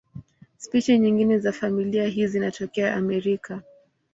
Spishi nyingine za familia hii zinatokea Amerika.